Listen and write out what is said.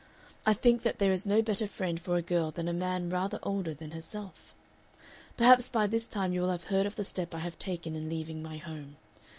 I think that there is no better friend for a girl than a man rather older than herself. "Perhaps by this time you will have heard of the step I have taken in leaving my home.